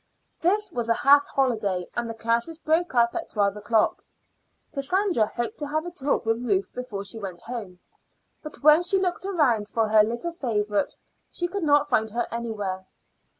This was a half holiday, and the classes broke up at twelve o'clock. Cassandra hoped to have a talk with Ruth before she went home, but when she looked round for her little favorite she could not find her anywhere.